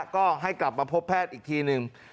ก็ให้กลับมาพบแพทย์อีกทีหนึ่ง